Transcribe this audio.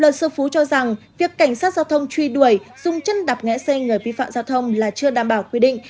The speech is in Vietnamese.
luật sư phú cho rằng việc cảnh sát giao thông truy đuổi dùng chân đạp ngã xe người vi phạm giao thông là chưa đảm bảo quy định